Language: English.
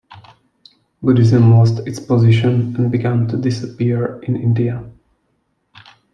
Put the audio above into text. Buddhism lost its position, and began to disappear in India.